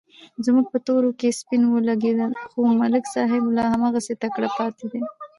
زموږ په تورو کې سپین ولږېدل، خو ملک صاحب لا هماغسې تکړه پاتې دی.